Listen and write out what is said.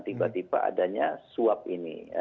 tiba tiba adanya suap ini